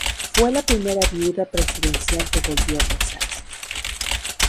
Fue la primera viuda presidencial que volvió a casarse.